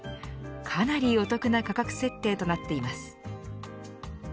かなりお得な価格設定となっています。